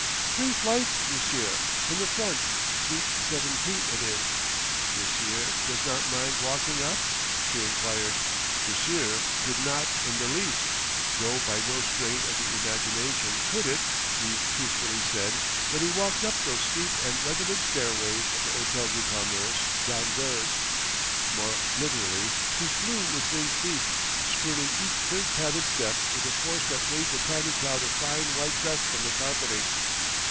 "Three flights, M'sieu', in the front; suite seventeen it is. M'sieu' does not mind walking up?" she inquired. M'sieu' did not in the least, though by no strain of the imagination could it, be truthfully said that he walked up those steep and redolent stairways of the Hôtel du Commerce d'Anvers. More literally, he flew with winged feet, spurning each third padded step with a force that raised a tiny cloud of fine white dust from the carpeting.